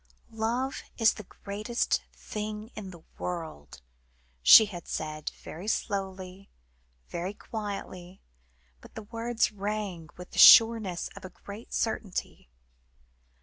"Love is the greatest thing in the world," she had said, very slowly, very quietly, but the words rang with the sureness of a great certainty.